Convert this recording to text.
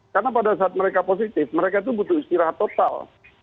karena pada saat mereka positif mereka itu butuh istirahat total